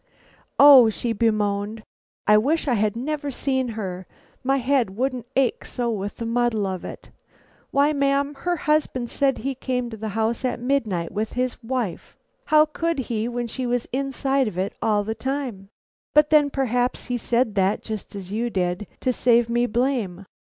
"O," she bemoaned, "I wish I had never seen her! My head wouldn't ache so with the muddle of it. Why, ma'am, her husband said he came to the house at midnight with his wife! How could he when she was inside of it all the time. But then perhaps he said that, just as you did, to save me blame.